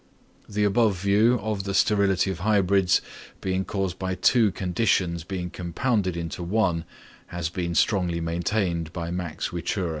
The above view of the sterility of hybrids being caused by two constitutions being compounded into one has been strongly maintained by Max Wichura.